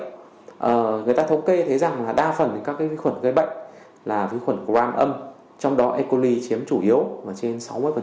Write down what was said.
người ta thống kê thấy rằng là đa phần các vi khuẩn gây bệnh là vi khuẩn gram âm trong đó e coli chiếm chủ yếu và trên sáu mươi